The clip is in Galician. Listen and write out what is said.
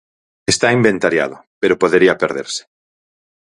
Está inventariado, pero podería perderse.